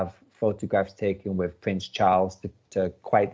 untuk dipictur dengan perempuan